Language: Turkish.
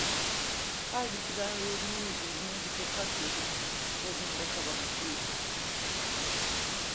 Halbuki ben ruhumun üzerine bir tokat yedim ve bunda kabahatliyim!